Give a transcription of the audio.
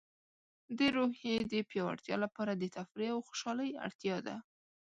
د روحیې د پیاوړتیا لپاره د تفریح او خوشحالۍ اړتیا ده.